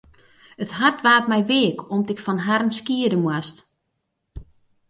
It hart waard my weak om't ik fan harren skiede moast.